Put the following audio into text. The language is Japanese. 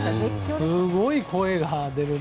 すごい声が出る。